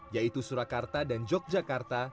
yaitu surakarta dan yogyakarta